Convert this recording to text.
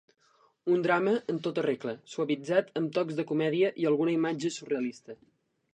Un drama en tota regla suavitzat amb tocs de comèdia i alguna imatge surrealista.